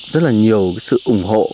rất là nhiều sự ủng hộ